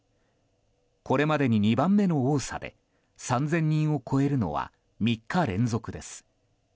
これまでに２番目の多さで３０００人を超えるのは３日連続です。